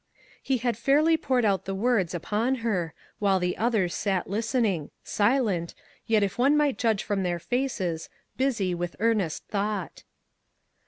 He had fairly poured out the words upon her, while the others sat listening — silent, yet if one might judge from their faces, busy with earnest thought.